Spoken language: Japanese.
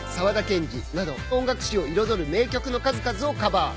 研二など音楽史を彩る名曲の数々をカバー。